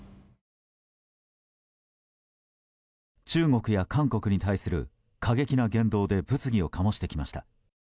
中国や韓国に対する過激な言動で物議を醸してきました。